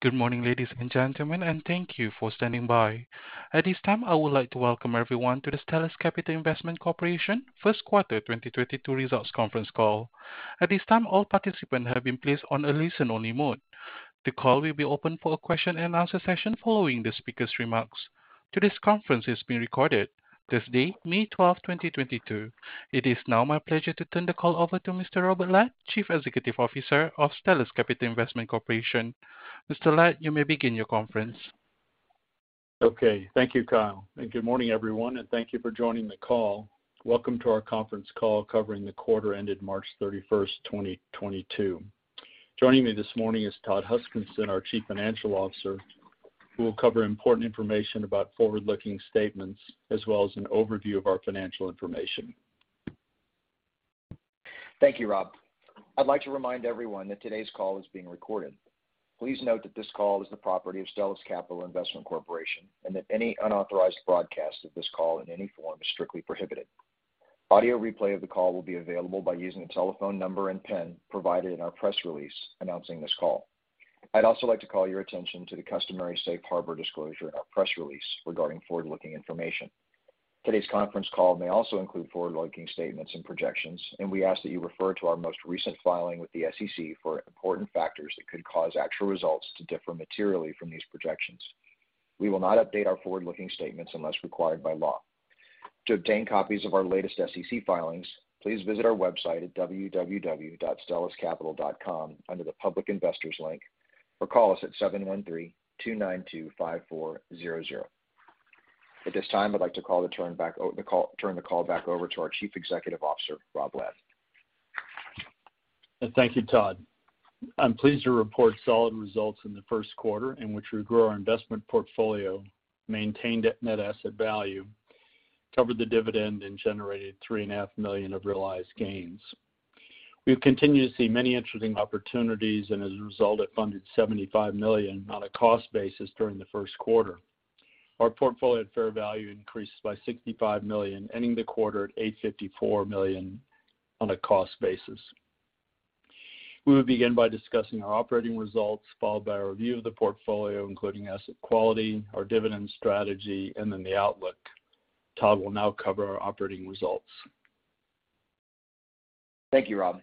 Good morning, ladies and gentlemen, and thank you for standing by. At this time, I would like to welcome everyone to the Stellus Capital Investment Corporation First Quarter 2022 Results Conference Call. At this time, all participants have been placed on a listen-only mode. The call will be open for a question-and-answer session following the speaker's remarks. Today's conference is being recorded this date, May 12, 2022. It is now my pleasure to turn the call over to Mr. Robert Ladd, Chief Executive Officer of Stellus Capital Investment Corporation. Mr. Ladd, you may begin your conference. Okay. Thank you, Kyle, and good morning, everyone, and thank you for joining the call. Welcome to our conference call covering the quarter ended March 31st, 2022. Joining me this morning is Todd Huskinson, our Chief Financial Officer, who will cover important information about forward-looking statements as well as an overview of our financial information. Thank you, Rob. I'd like to remind everyone that today's call is being recorded. Please note that this call is the property of Stellus Capital Investment Corporation, and that any unauthorized broadcast of this call in any form is strictly prohibited. Audio replay of the call will be available by using the telephone number and PIN provided in our press release announcing this call. I'd also like to call your attention to the customary safe harbor disclosure in our press release regarding forward-looking information. Today's conference call may also include forward-looking statements and projections, and we ask that you refer to our most recent filing with the SEC for important factors that could cause actual results to differ materially from these projections. We will not update our forward-looking statements unless required by law. To obtain copies of our latest SEC filings, please visit our website at www.stelluscapital.com under the Public Investors link, or call us at 713-292-5400. At this time, I'd like to turn the call back over to our Chief Executive Officer, Rob Ladd. Thank you, Todd. I'm pleased to report solid results in the first quarter in which we grew our investment portfolio, maintained at net asset value, covered the dividend, and generated $3.5 million of realized gains. We've continued to see many interesting opportunities, and as a result have funded $75 million on a cost basis during the first quarter. Our portfolio at fair value increased by $65 million, ending the quarter at $854 million on a cost basis. We will begin by discussing our operating results, followed by a review of the portfolio, including asset quality, our dividend strategy, and then the outlook. Todd will now cover our operating results. Thank you, Rob.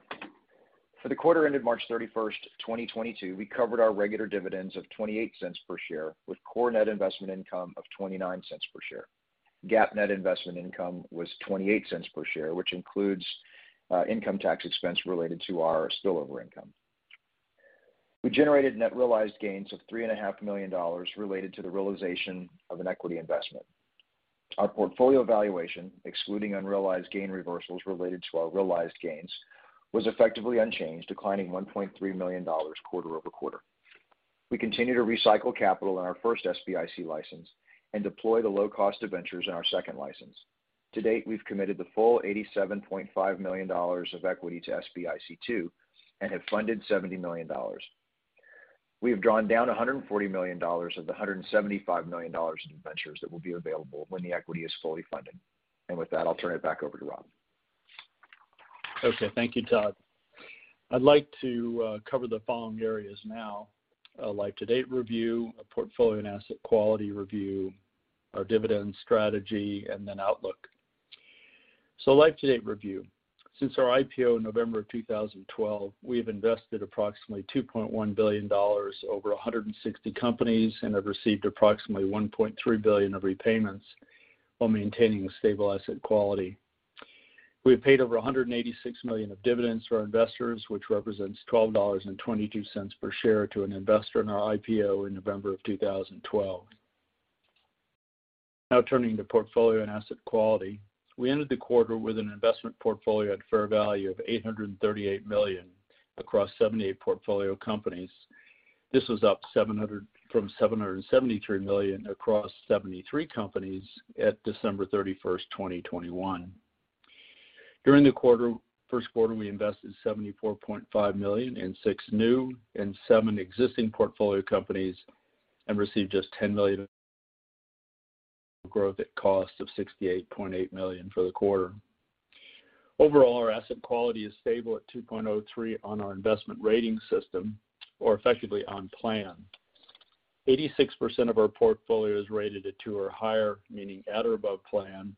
For the quarter ended March 31st, 2022, we covered our regular dividends of $0.28 per share with core net investment income of $0.29 per share. GAAP net investment income was $0.28 per share, which includes income tax expense related to our spillover income. We generated net realized gains of $3.5 million related to the realization of an equity investment. Our portfolio valuation, excluding unrealized gain reversals related to our realized gains, was effectively unchanged, declining $1.3 million quarter-over-quarter. We continue to recycle capital in our first SBIC license and deploy the low cost of debentures in our second license. To date, we've committed the full $87.5 million of equity to SBIC two and have funded $70 million. We have drawn down $140 million of the $175 million in debentures that will be available when the equity is fully funded. With that, I'll turn it back over to Rob. Okay. Thank you, Todd. I'd like to cover the following areas now. Year-to-date review, a portfolio and asset quality review, our dividend strategy, and then outlook. Year-to-date review. Since our IPO in November 2012, we have invested approximately $2.1 billion over 160 companies and have received approximately $1.3 billion of repayments while maintaining a stable asset quality. We have paid over $186 million of dividends to our investors, which represents $12.22 per share to an investor in our IPO in November 2012. Now turning to portfolio and asset quality. We ended the quarter with an investment portfolio at fair value of $838 million across 78 portfolio companies. This was up from $773 million across 73 companies at December 31st, 2021. During the first quarter, we invested $74.5 million in 6 new and 7 existing portfolio companies and received just $10 million growth at cost of $68.8 million for the quarter. Overall, our asset quality is stable at 2.03 on our investment rating system, or effectively on plan. 86% of our portfolio is rated at two or higher, meaning at or above plan.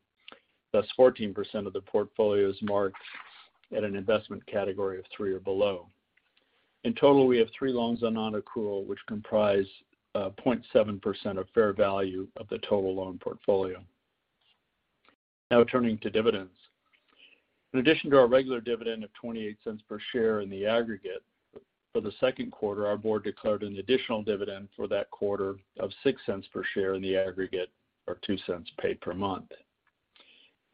Thus, 14% of the portfolio is marked at an investment category of three or below. In total, we have three loans on nonaccrual, which comprise 0.7% of fair value of the total loan portfolio. Now turning to dividends. In addition to our regular dividend of $0.28 per share in the aggregate, for the second quarter, our board declared an additional dividend for that quarter of $0.06 per share in the aggregate, or $0.02 paid per month.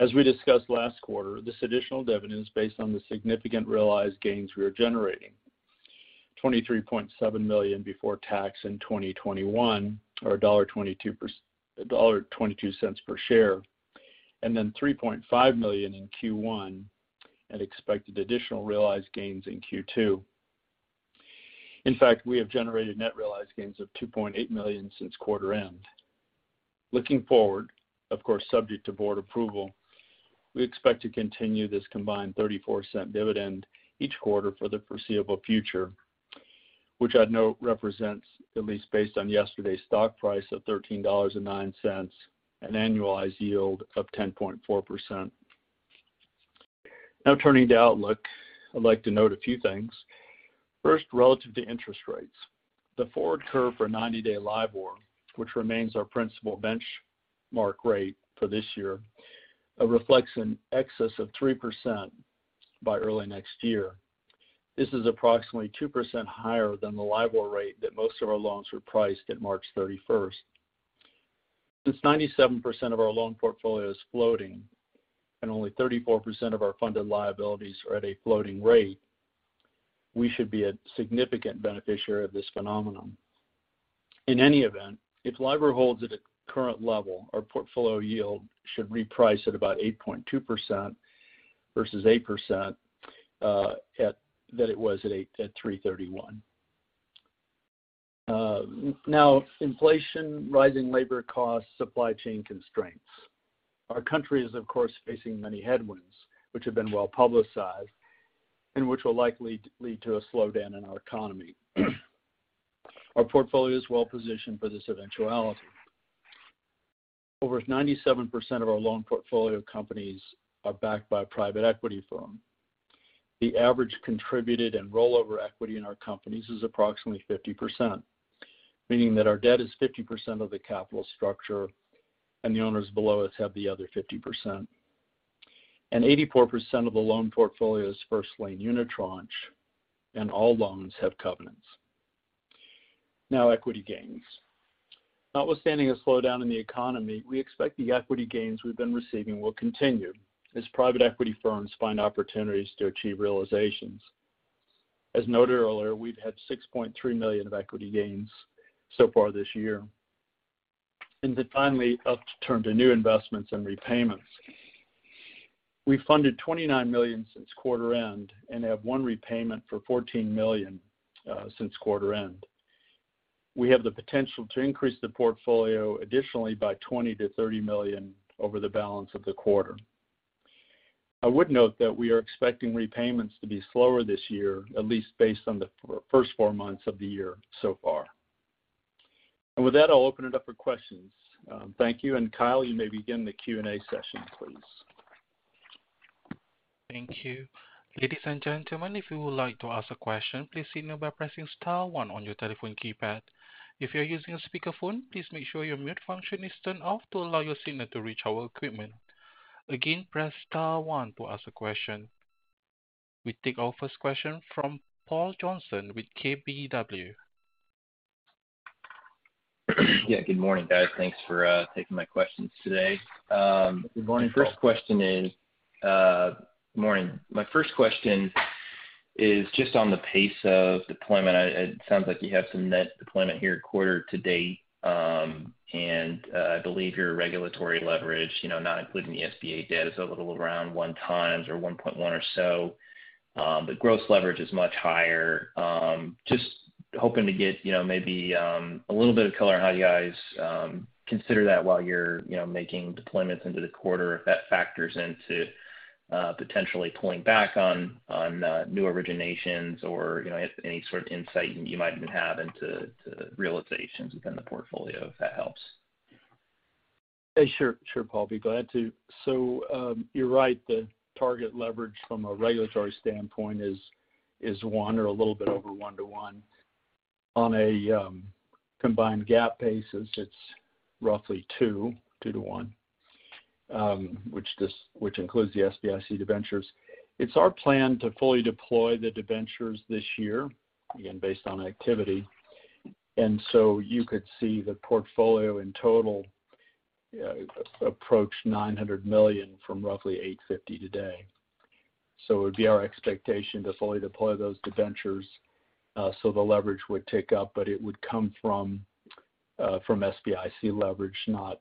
As we discussed last quarter, this additional dividend is based on the significant realized gains we are generating. $23.7 million before tax in 2021, or $1.22 per share, and then $3.5 million in Q1 and expected additional realized gains in Q2. In fact, we have generated net realized gains of $2.8 million since quarter end. Looking forward, of course, subject to board approval, we expect to continue this combined $0.34 dividend each quarter for the foreseeable future, which I'd note represents, at least based on yesterday's stock price of $13.09, an annualized yield of 10.4%. Now turning to outlook, I'd like to note a few things. First, relative to interest rates. The forward curve for 90-day LIBOR, which remains our principal benchmark rate for this year, reflects an excess of 3% by early next year. This is approximately 2% higher than the LIBOR rate that most of our loans were priced at March 31st. Since 97% of our loan portfolio is floating and only 34% of our funded liabilities are at a floating rate, we should be a significant beneficiary of this phenomenon. In any event, if LIBOR holds at a current level, our portfolio yield should reprice at about 8.2% versus 8%, that it was at 8% at 3/31. Now, inflation, rising labor costs, supply chain constraints. Our country is of course facing many headwinds which have been well-publicized and which will likely lead to a slowdown in our economy. Our portfolio is well-positioned for this eventuality. Over 97% of our loan portfolio companies are backed by a private equity firm. The average contributed and rollover equity in our companies is approximately 50%, meaning that our debt is 50% of the capital structure and the owners below us have the other 50%. 84% of the loan portfolio is first lien unitranche, and all loans have covenants. Now, equity gains. Notwithstanding a slowdown in the economy, we expect the equity gains we've been receiving will continue as private equity firms find opportunities to achieve realizations. As noted earlier, we've had $6.3 million of equity gains so far this year. Then finally, now to turn to new investments and repayments. We funded $29 million since quarter end and have one repayment for $14 million since quarter end. We have the potential to increase the portfolio additionally by $20 million-$30 million over the balance of the quarter. I would note that we are expecting repayments to be slower this year, at least based on the first four months of the year so far. With that, I'll open it up for questions. Thank you. Kyle, you may begin the Q&A session, please. Thank you. Ladies and gentlemen, if you would like to ask a question, please signal by pressing star one on your telephone keypad. If you're using a speakerphone, please make sure your mute function is turned off to allow your signal to reach our equipment. Again, press star one to ask a question. We take our first question from Paul Johnson with KBW. Yeah, good morning, guys. Thanks for taking my questions today. Good morning, Paul. Good morning. My first question is just on the pace of deployment. It sounds like you have some net deployment here quarter-to-date, and I believe your regulatory leverage, you know, not including the SBA debt, is a little around 1.0x or 1.1x or so. But gross leverage is much higher. Just hoping to get, you know, maybe a little bit of color on how you guys consider that while you're, you know, making deployments into the quarter, if that factors into potentially pulling back on new originations or, you know, any sort of insight you might even have into realizations within the portfolio, if that helps. Yeah, sure. Sure, Paul, be glad to. You're right, the target leverage from a regulatory standpoint is one or a little bit over one to one. On a combined GAAP basis, it's roughly two to one, which includes the SBIC debentures. It's our plan to fully deploy the debentures this year, again based on activity. You could see the portfolio in total approach $900 million from roughly $850 million today. It would be our expectation to fully deploy those debentures, so the leverage would tick up, but it would come from SBIC leverage, not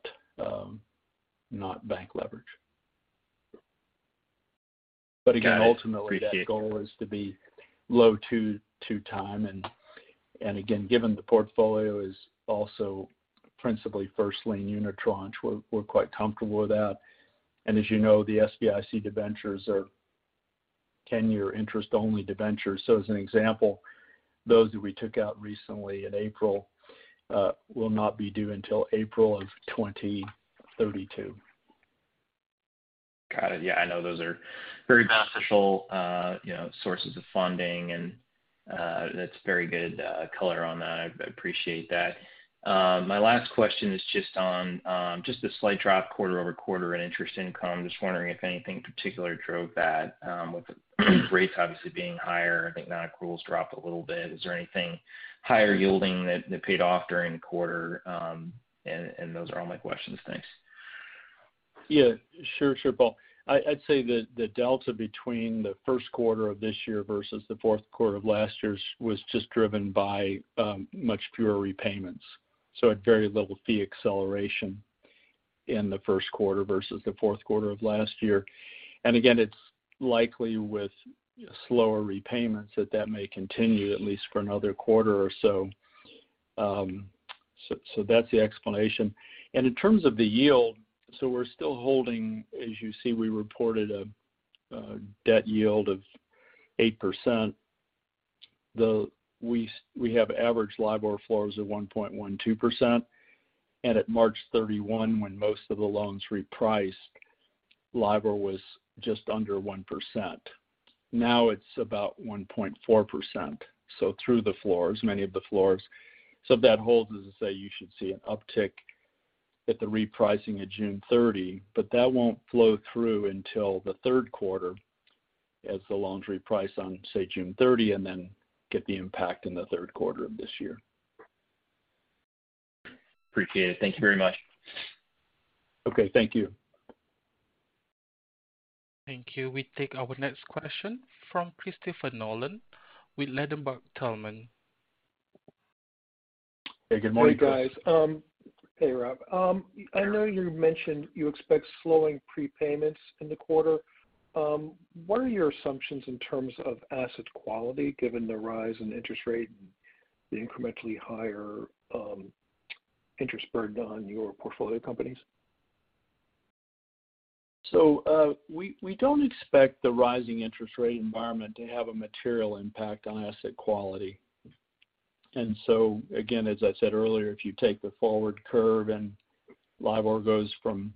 bank leverage. Got it. Appreciate it. Again, ultimately, that goal is to be low 2.0x. Again, given the portfolio is also principally first lien unitranche, we're quite comfortable with that. As you know, the SBIC debentures are 10-year interest-only debentures. As an example, those that we took out recently in April will not be due until April of 2032. Got it. Yeah, I know those are very beneficial, you know, sources of funding and, that's very good color on that. I appreciate that. My last question is just on, just the slight drop quarter-over-quarter in interest income. Just wondering if anything particular drove that, with rates obviously being higher. I think nonaccruals dropped a little bit. Is there anything higher yielding that paid off during the quarter? And those are all my questions. Thanks. Yeah, sure, Paul. I'd say the delta between the first quarter of this year versus the fourth quarter of last year was just driven by much fewer repayments, so at very little fee acceleration in the first quarter versus the fourth quarter of last year. Again, it's likely with slower repayments that may continue at least for another quarter or so. So that's the explanation. In terms of the yield, we're still holding. As you see, we reported a debt yield of 8%, though we have average LIBOR floors of 1.12%. At March 31, when most of the loans repriced, LIBOR was just under 1%. Now it's about 1.4%, so through the floors, many of the floors. If that holds, as I say, you should see an uptick at the repricing of June 30, but that won't flow through until the third quarter as the loans reprice on, say, June 30 and then get the impact in the third quarter of this year. Appreciate it. Thank you very much. Okay. Thank you. Thank you. We take our next question from Christopher Nolan with Ladenburg Thalmann. Hey, good morning, Chris. Hey, guys. Hey, Rob. I know you mentioned you expect slowing prepayments in the quarter. What are your assumptions in terms of asset quality, given the rise in interest rate and the incrementally higher interest burden on your portfolio companies? We don't expect the rising interest rate environment to have a material impact on asset quality. Again, as I said earlier, if you take the forward curve and LIBOR goes from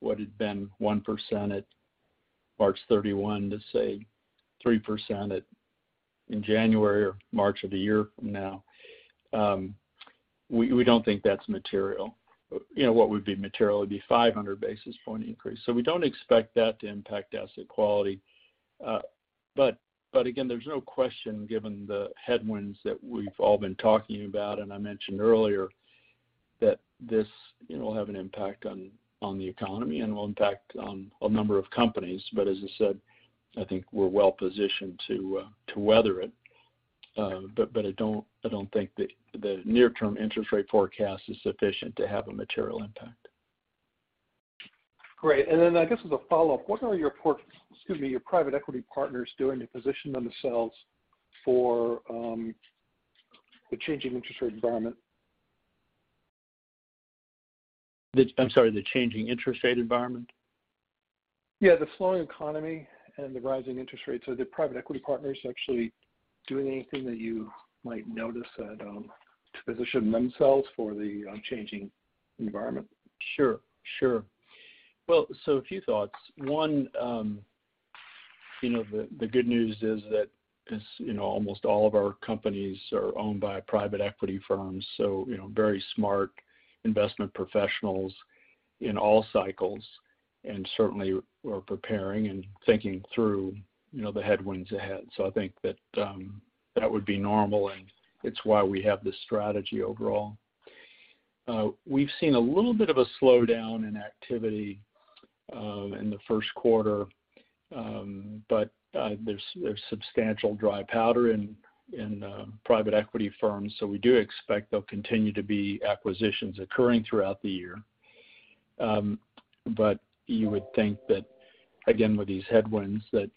what had been 1% at March 31 to, say, 3% in January or March of a year from now, we don't think that's material. You know, what would be material would be 500 basis point increase. We don't expect that to impact asset quality. Again, there's no question given the headwinds that we've all been talking about, and I mentioned earlier, that this, you know, will have an impact on the economy and will impact a number of companies. As I said, I think we're well positioned to weather it. I don't think the near term interest rate forecast is sufficient to have a material impact. Great. I guess as a follow-up, what are your private equity partners doing to position themselves for the changing interest rate environment? I'm sorry, the changing interest rate environment? Yeah, the slowing economy and the rising interest rates. Are the private equity partners actually doing anything that you might notice that to position themselves for the changing environment? Sure. Well, a few thoughts. One, you know, the good news is that as you know almost all of our companies are owned by private equity firms, so you know very smart investment professionals in all cycles, and certainly we're preparing and thinking through you know the headwinds ahead. I think that would be normal, and it's why we have this strategy overall. We've seen a little bit of a slowdown in activity in the first quarter. There's substantial dry powder in private equity firms, so we do expect there'll continue to be acquisitions occurring throughout the year. You would think that again, with these headwinds, that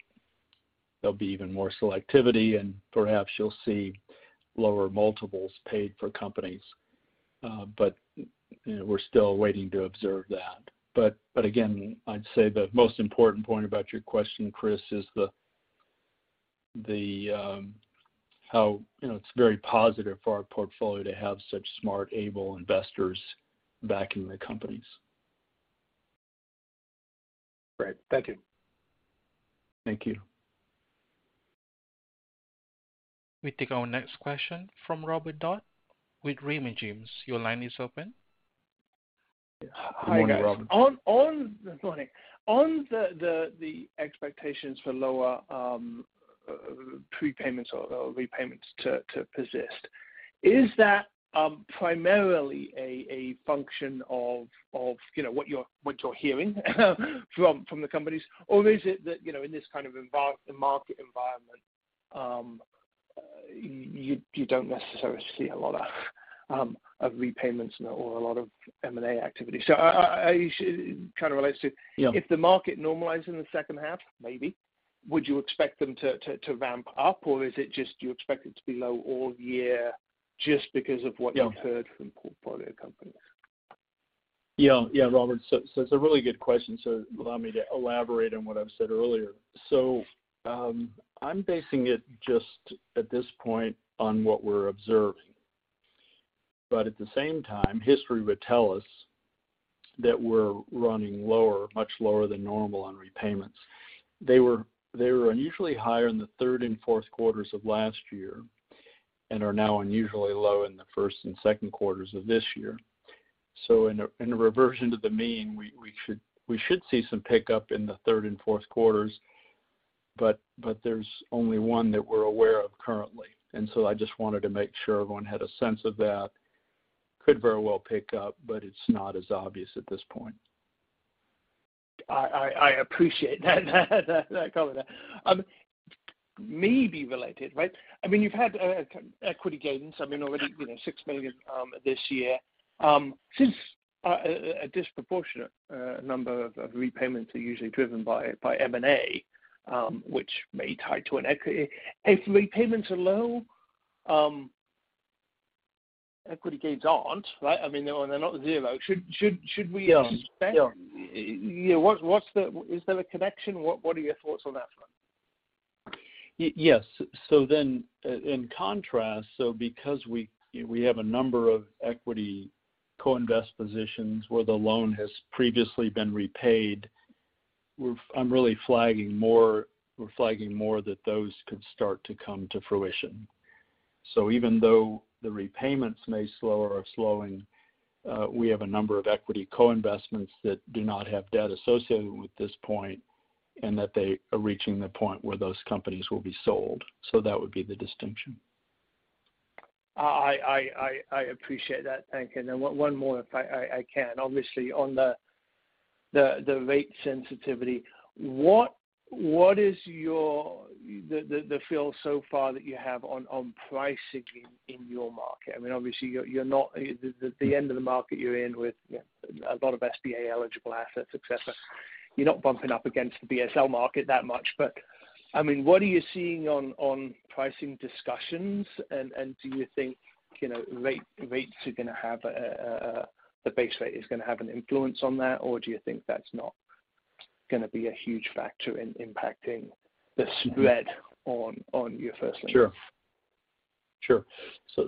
there'll be even more selectivity and perhaps you'll see lower multiples paid for companies. You know, we're still waiting to observe that. Again, I'd say the most important point about your question, Chris, is how, you know, it's very positive for our portfolio to have such smart, able investors backing the companies. Great. Thank you. Thank you. We take our next question from Robert Dodd with Raymond James. Your line is open. Good morning, Robert. Hi, guys. Good morning. On the expectations for lower prepayments or repayments to persist, is that primarily a function of, you know, what you're hearing from the companies? Or is it that, you know, in this kind of market environment, you don't necessarily see a lot of repayments or a lot of M&A activity? It kind of relates to- Yeah. If the market normalizes in the second half, maybe, would you expect them to ramp up? Is it just you expect it to be low all year just because of what? Yeah. You've heard from portfolio companies? Yeah. Yeah, Robert. It's a really good question. Allow me to elaborate on what I've said earlier. I'm basing it just at this point on what we're observing. At the same time, history would tell us that we're running lower, much lower than normal on repayments. They were unusually higher in the third and fourth quarters of last year and are now unusually low in the first and second quarters of this year. In a reversion to the mean, we should see some pickup in the third and fourth quarters, but there's only one that we're aware of currently. I just wanted to make sure everyone had a sense of that. Could very well pick up, but it's not as obvious at this point. I appreciate that comment. Maybe related, right? I mean, you've had equity gains, I mean already, you know, $6 million this year. Since a disproportionate number of repayments are usually driven by M&A, which may tie to an equity. If repayments are low, equity gains aren't, right? I mean, they're not zero. Should we- Yeah. Yeah. Is there a connection? What are your thoughts on that front? Yes. In contrast, because we have a number of equity co-investments positions where the loan has previously been repaid, I'm really flagging more that those could start to come to fruition. Even though the repayments may slow or are slowing, we have a number of equity co-investments that do not have debt associated at this point, and that they are reaching the point where those companies will be sold. That would be the distinction. I appreciate that. Thank you. Then one more if I can. Obviously, on the rate sensitivity, what is your the feel so far that you have on pricing in your market? I mean, obviously you're not the end of the market you're in with, you know, a lot of SBA-eligible assets, et cetera, you're not bumping up against the BSL market that much. I mean, what are you seeing on pricing discussions? Do you think, you know, rates are gonna have a the base rate is gonna have an influence on that? Do you think that's not gonna be a huge factor in impacting the spread on your first lien? Sure.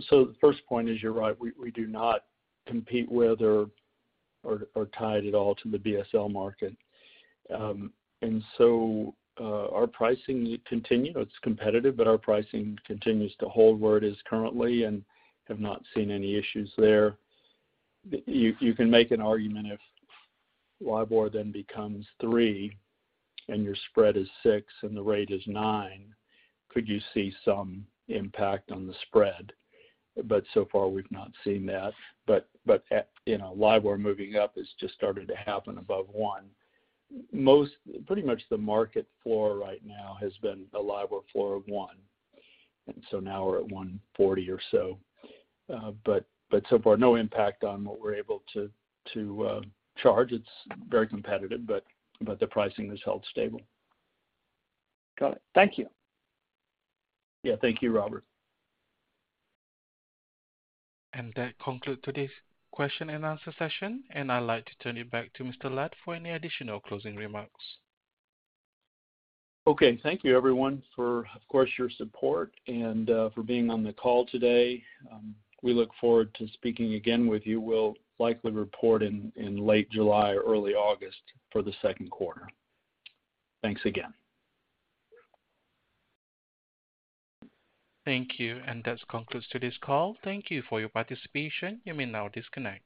The first point is you're right, we do not compete with or tie at all to the BSL market. It's competitive, but our pricing continues to hold where it is currently and have not seen any issues there. You can make an argument if LIBOR then becomes 3% and your spread is 6% and the rate is 9%, could you see some impact on the spread? So far we've not seen that. At you know, LIBOR moving up, it's just started to happen above 1%. Pretty much the market floor right now has been a LIBOR floor of 1%, and so now we're at 1.40% or so. So far, no impact on what we're able to charge. It's very competitive, but the pricing has held stable. Got it. Thank you. Yeah. Thank you, Robert. That concludes today's question-and-answer session, and I'd like to turn it back to Mr. Ladd for any additional closing remarks. Okay. Thank you everyone for, of course, your support and, for being on the call today. We look forward to speaking again with you. We'll likely report in late July or early August for the second quarter. Thanks again. Thank you. That concludes today's call. Thank you for your participation. You may now disconnect.